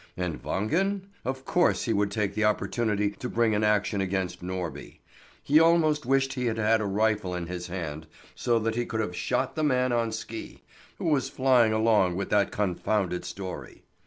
And Wangen? Of course he would take the opportunity to bring an action against Norby. He almost wished he had had a rifle in his hand, so that he could have shot the man on ski, who was flying along with that confounded story.